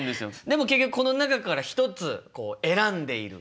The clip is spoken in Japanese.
でも結局この中から一つ選んでいる。